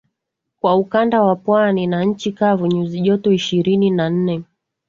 kwa ukanda wa pwani na nchi kavu nyuzi joto ishirini na nne